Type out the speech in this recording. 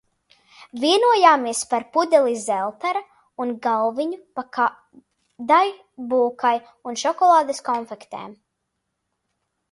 Vienojāmies par pudeli Zeltera uz galviņu pa kādai bulkai un šokolādes konfektēm.